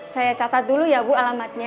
saya catat dulu ya bu alamatnya